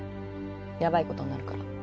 ヤバいことになるから